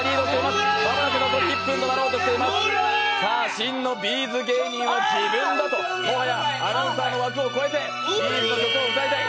真のＢ’ｚ芸人は自分だともはやアナウンサーの枠を越えてＢ’ｚの曲を歌いたい。